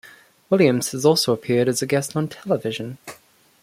Williams has also appeared as a guest on television.